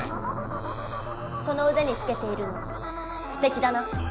そのうでにつけているのすてきだな。